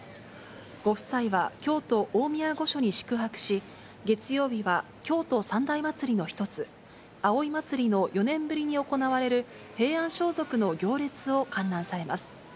ご夫妻は京都大宮御所に宿泊し、月曜日は京都三大祭の一つ、葵祭の４年ぶりに行われる平安装束の行列を観覧されます。